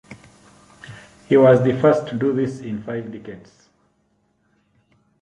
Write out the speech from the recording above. He was the first to do this in five decades.